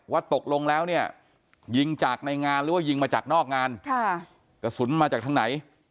ว่าตกลงแล้วเนี่ยยิงจากในงานหรือว่ายิงมาจากนอกงานค่ะกระสุนมาจากทางไหน